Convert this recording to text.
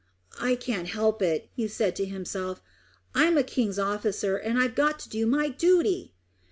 "Can't help it," he said to himself. "I am a king's officer, and I've got to do my duty."